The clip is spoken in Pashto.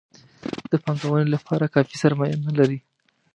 د پانګونې لپاره کافي سرمایه نه لري.